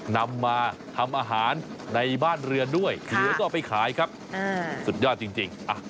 นำมาทำอาหารในบ้านเรือนด้วยเหลือก็เอาไปขายครับสุดยอดจริง